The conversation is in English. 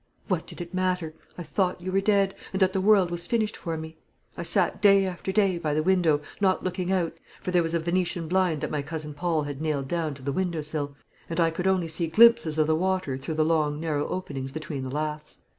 What did it matter? I thought you were dead, and that the world was finished for me. I sat day after day by the window; not looking out, for there was a Venetian blind that my cousin Paul had nailed down to the window sill, and I could only see glimpses of the water through the long, narrow openings between the laths.